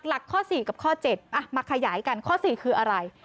หลักข้อ๔กับข้อ๗มาขยายกันข้อ๔คืออะไร